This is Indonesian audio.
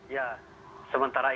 ya sementara ini